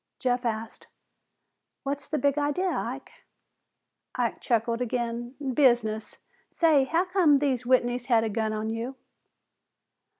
Jeff asked, "What's the big idea, Ike?" Ike chuckled again. "Business! Say, how come these Whitneys had a gun on you?"